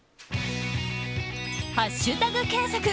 ハッシュタグ検索。